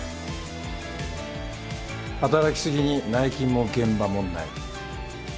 働き過ぎに内勤も現場もない。